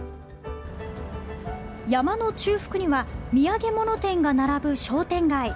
山の中腹には土産物店が並ぶ商店街。